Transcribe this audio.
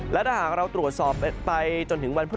และหากเราวิ่งวัน